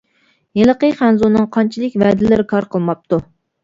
ھېلىقى خەنزۇنىڭ قانچىلىك ۋەدىلىرى كار قىلماپتۇ.